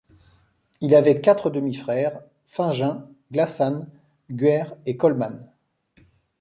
Il avait quatre demi frères:Fingin, Glassán, Guaire et Colmán.